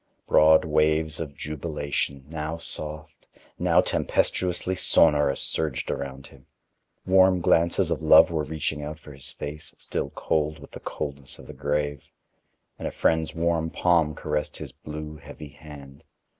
Broad waves of jubilation, now soft, now tempestuously sonorous surged around him; warm glances of love were reaching out for his face, still cold with the coldness of the grave; and a friend's warm palm caressed his blue, heavy hand.